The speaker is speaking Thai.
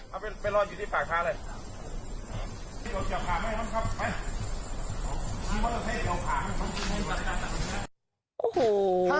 ไปรออยู่ที่ฝากทะเลย